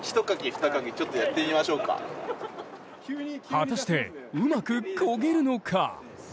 果たしてうまくこげるのか？